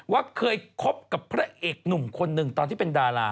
ว่าเคยคบกับพระเอกหนุ่มคนหนึ่งตอนที่เป็นดารา